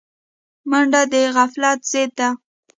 منډه د غفلت ضد ده